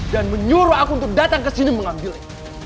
dan menyuruh aku untuk datang kesini mengambilnya